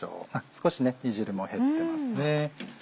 少し煮汁も減ってますね。